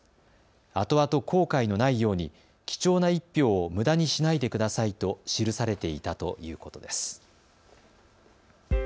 あとあと後悔のないように貴重な１票をむだにしないでくださいと記されていたということです。